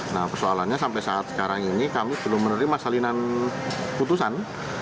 nah persoalannya sampai saat sekarang ini kami belum menerima salinan putusan